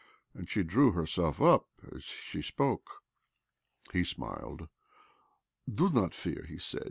And she drew herself up as she spoke. He smiled. " Do not fear," he said.